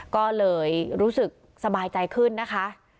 ก็เลยรู้สึกสบายใจขึ้นนะคะ